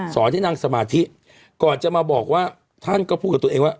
ให้นั่งสมาธิก่อนจะมาบอกว่าท่านก็พูดกับตัวเองว่า